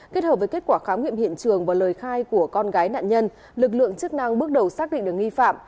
kết hợp với kết quả khám nghiệm hiện trường và lời khai của con gái nạn nhân lực lượng chức năng bước đầu xác định được nghi phạm